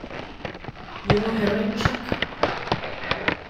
You know Heroin Chic?